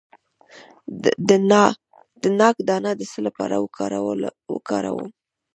د ناک دانه د څه لپاره وکاروم؟